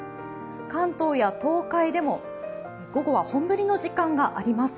関東や東海でも午後は本降りの時間帯があります。